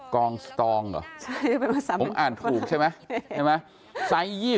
กองสตรองเหรอผมอ่านถูกใช่ไหมใช่ไหม